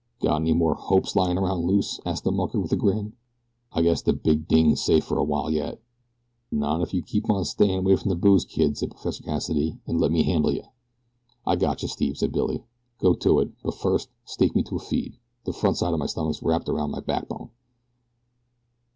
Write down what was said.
"Got any more 'hopes' lyin' around loose?" asked the mucker with a grin. "I guess the big dinge's safe for a while yet." "Not if you'll keep on stayin' away from the booze, kid," said Professor Cassidy, "an' let me handle you." "I gotcha Steve," said Billy; "go to it; but first, stake me to a feed. The front side of my stomach's wrapped around my back bone."